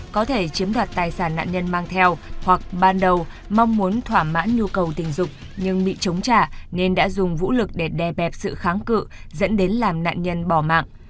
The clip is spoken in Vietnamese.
có thể chiếm đoạt tài sản nạn nhân mang theo hoặc ban đầu mong muốn thỏa mãn nhu cầu tình dục nhưng bị chống trả nên đã dùng vũ lực để đè bẹp sự kháng cự dẫn đến làm nạn nhân bỏ mạng